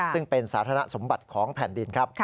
ซึ่งเป็นสาธารณสมบัติของแผ่นดินครับ